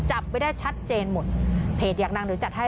จับไว้ได้ชัดเจนหมดเพจอยากดังเดี๋ยวจัดให้